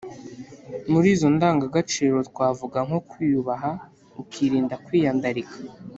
Muri zo ndangagaciro twavuga nko kwiyubaha ukirinda kwiyandarika